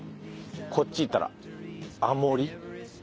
こっち行ったら安茂里。